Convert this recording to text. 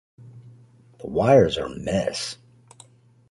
The wires are mess.